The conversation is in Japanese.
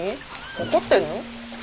怒ってんの？